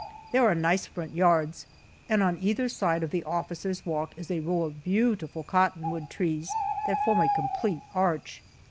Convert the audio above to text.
There are nice front yards, and on either side of the officers' walk is a row of beautiful cottonwood trees that form a complete arch.